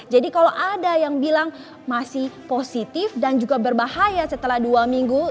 jadi kalau ada yang bilang masih positif dan juga berbahaya setelah dua minggu